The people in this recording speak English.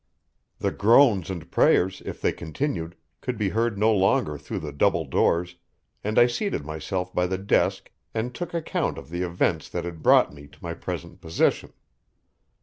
The groans and prayers, if they continued, could be heard no longer through the double doors, and I seated myself by the desk and took account of the events that had brought me to my present position.